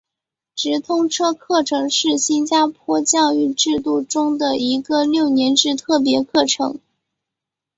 直通车课程是新加坡教育制度中的一个六年制特别课程。